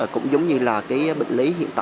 cũng như là bệnh lý hiện tại